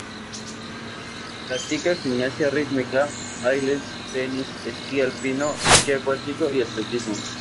Practica gimnasia rítmica, baile, tenis, esquí alpino, esquí acuático y atletismo.